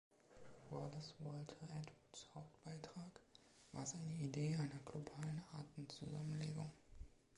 Wallace Walter Atwoods Hauptbeitrag war seine Idee einer globalen Artenzusammenlegung.